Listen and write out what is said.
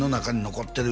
「残ってる」